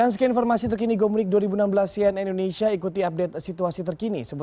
semangat padat punca